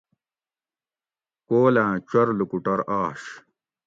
کولاں چور لوکوٹور آش